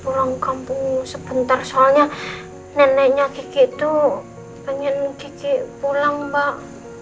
pulang kampung sebentar soalnya neneknya kiki tuh pengen kiki pulang mbak